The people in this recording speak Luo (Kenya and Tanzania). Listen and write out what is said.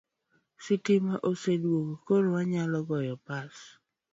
Stima oseduogo koro wanyalo goyo pas